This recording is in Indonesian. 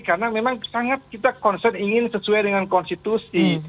karena memang sangat kita konsen ingin sesuai dengan konstitusi